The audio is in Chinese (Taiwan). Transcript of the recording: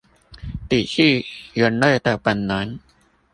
抵制人類的本能